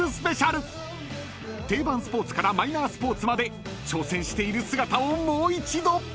［定番スポーツからマイナースポーツまで挑戦している姿をもう一度］